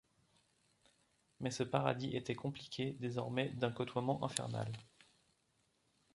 Mais ce paradis était compliqué désormais d’un côtoiement infernal.